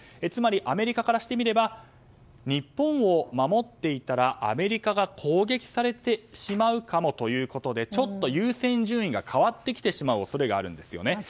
つまり、アメリカからしてみれば日本を守っていたらアメリカが攻撃されてしまうかもということでちょっと優先順位が変わってきてしまう恐れがあるんですね。